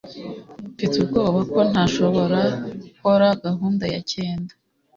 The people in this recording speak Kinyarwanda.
Mfite ubwoba ko ntashobora gukora gahunda ya cyenda.